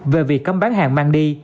về việc cấm bán hàng mang đi